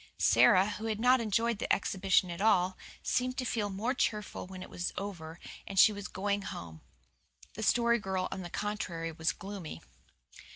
Sara, who had not enjoyed the exhibition at all, seemed to feel more cheerful when it was over and she was going home. The Story Girl on the contrary was gloomy.